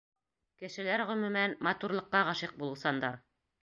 Кешеләр, ғөмүмән, матурлыҡҡа ғашиҡ булыусандар.